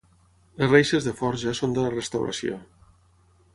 Les reixes de forja són de la restauració.